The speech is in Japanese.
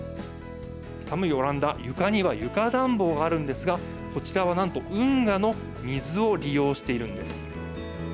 寒いオランダ床には床暖房があるんですがこちらはなんと運河の水を利用しているんです。